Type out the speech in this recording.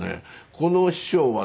この師匠はね